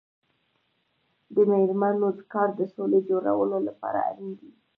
د میرمنو کار د سولې جوړولو لپاره اړین دی.